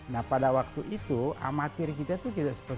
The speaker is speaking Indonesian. nah pada waktu itu amatir kita itu tidak sepenuhnya